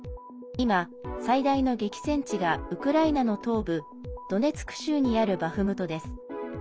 今、最大の激戦地がウクライナの東部ドネツク州にあるバフムトです。